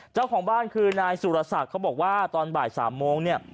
เจ้าของบ้านคือนายสุรศักดิ์เขาบอกว่าตอนบ่าย๓โมงเนี่ย